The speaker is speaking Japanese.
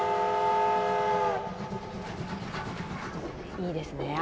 いいですね。